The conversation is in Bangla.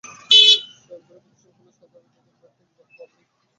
সরকারি প্রতিষ্ঠান হলেও তাঁদের বেতন থোক বরাদ্দ থেকে পরিশোধ করা হয়।